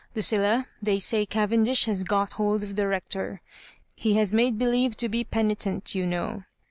" Lu cilla, they say Cavendish has got hold of the Rec tor. He has made believe to be penitent, you know.